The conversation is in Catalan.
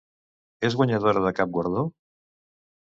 És guanyadora de cap guardó?